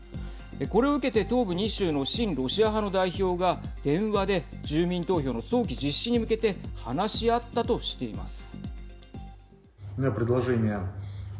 これを受けて東部２州の親ロシア派の代表が電話で住民投票の早期実施に向けて話し合ったとしています。